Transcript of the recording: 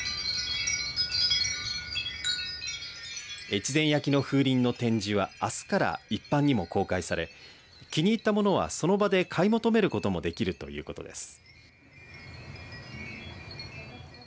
越前焼の風鈴の展示はあすから一般にも公開され気に入ったものはその場で買い求めることもできるということです。